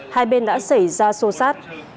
hai bên đã xảy ra xô xát